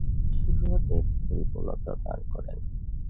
তিনি সুফিবাদের পরিপূর্ণতা দান করেন।